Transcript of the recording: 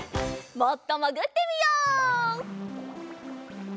もっともぐってみよう。